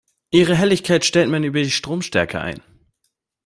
Ihre Helligkeit stellt man über die Stromstärke ein.